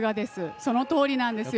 そのとおりなんです。